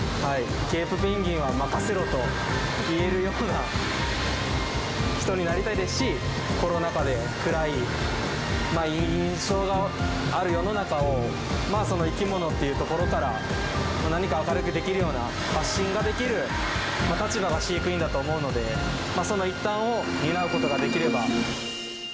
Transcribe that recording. ケープペンギンは任せろと言えるような人になりたいですし、コロナ禍で暗い印象がある世の中を、その生き物っていうところから、何か明るくできるような、発信ができる立場が飼育員だと思うので、その一端を担うことができれば。